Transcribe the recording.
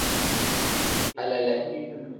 Alele.